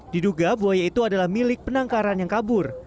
diduga buaya itu adalah milik penangkaran yang kabur